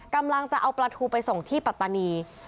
กำลังจะเอาปลาทูไปส่งที่ปัตตานี